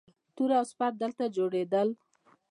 توره او سپر دلته جوړیدل